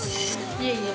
いえいえ。